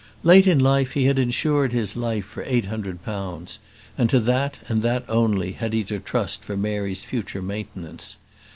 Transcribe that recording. Late in life he had insured his life for eight hundred pounds; and to that, and that only, had he to trust for Mary's future maintenance.